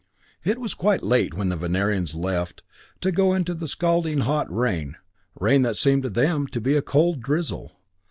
It was quite late when the Venerians left, to go again into the scalding hot rain, rain that seemed to them to be a cold drizzle.